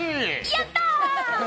やったー！